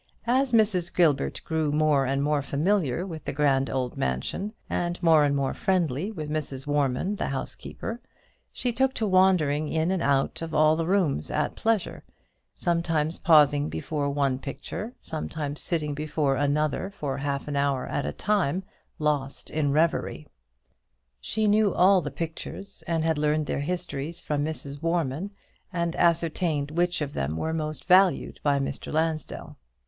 As Mrs. Gilbert grew more and more familiar with the grand old mansion, and more and more friendly with Mrs. Warman the housekeeper, she took to wandering in and out of all the rooms at pleasure, sometimes pausing before one picture, sometimes sitting before another for half an hour at a time lost in reverie. She knew all the pictures, and had learned their histories from Mrs. Warman, and ascertained which of them were most valued by Mr. Lansdell.